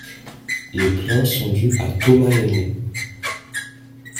Les plans sont dus à Thomas Lainée.